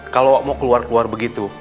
kalau mau keluar keluar begitu